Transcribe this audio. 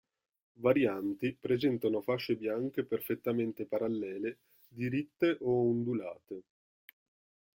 Varianti presentano fasce bianche perfettamente parallele, diritte o ondulate.